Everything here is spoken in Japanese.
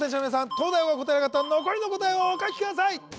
東大王が答えなかった残りの答えをお書きください